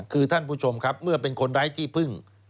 คือท่านผู้ชมครับเมื่อเป็นคนไร้ที่พึ่ง